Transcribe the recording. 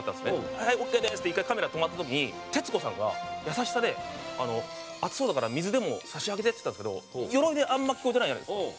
「はいオーケーです」って１回カメラ止まった時に徹子さんが優しさで「暑そうだから水でも差し上げて」って言ったんですけどよろいであんまり聞こえてないじゃないですか。